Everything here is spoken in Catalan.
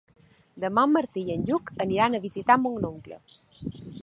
Demà en Martí i en Lluc aniran a visitar mon oncle.